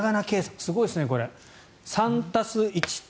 すごいですねこれ。